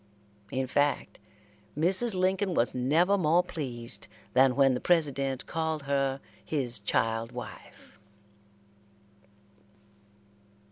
In fact, Mrs. Lincoln was never more pleased than when the President called her his child wife.